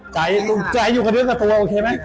ใจอยู่กับเด็กกับตัวโอเคมั้ย